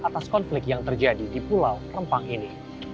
atas konflik yang terjadi di pulau rempang ini